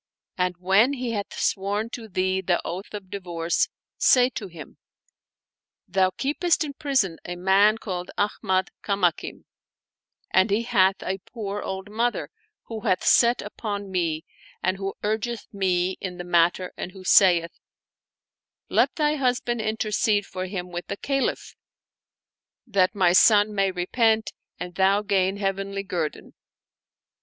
And when he hath sworn to thee the oath of divorce, say to him : Thou keepest in prison a man called Ahmad Kamakim, and he hath a poor old mother who hath set upon me and who urgeth me in the matter and who saith, *Let thy husband intercede for him with the Caliph, that my son may repent and thou gain heavenly guerdon.'